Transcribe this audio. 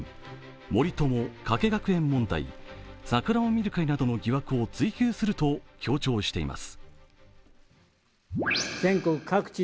森友・加計学園問題桜を見る会などの疑惑を追及すると強調しています。